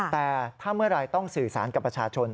แต่ถ้าเมื่อไหร่ต้องสื่อสารกับประชาชน